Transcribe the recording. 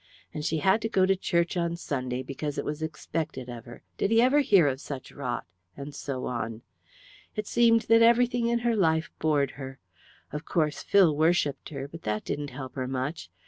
And she had to go to church on Sunday because it was expected of her, did he ever hear of such rot and so on. It seemed that everything in her life bored her. Of course Phil worshipped her, but that didn't help her much.